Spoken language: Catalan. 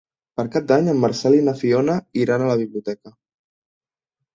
Per Cap d'Any en Marcel i na Fiona iran a la biblioteca.